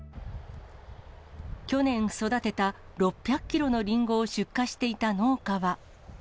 去年育てた６００キロのりんごを出荷していた農家は。